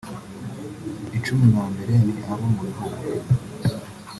Icumi ba mbere ni abo mu bihugu